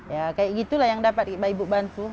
ya kayak gitulah yang dapat ibu bantu